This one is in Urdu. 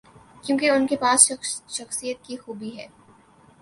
کیونکہ ان کے پاس شخصیت کی خوبی ہے۔